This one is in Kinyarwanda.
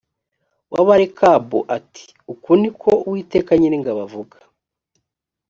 w abarekabu ati uku ni ko uwiteka nyiringabo avuga